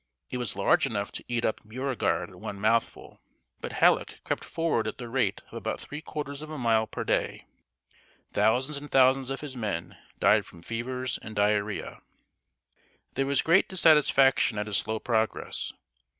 It was large enough to eat up Beauregard at one mouthful; but Halleck crept forward at the rate of about three quarters of a mile per day. Thousands and thousands of his men died from fevers and diarrh[oe]a. There was great dissatisfaction at his slow progress.